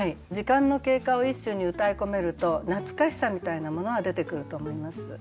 時間の経過を一首にうたい込めると懐かしさみたいなものは出てくると思います。